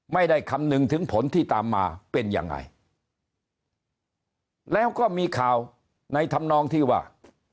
ไม่ได้คำนึงถึงผลที่ตามมาเป็นยังไงแล้วก็มีข่าวในธรรมนองที่ว่า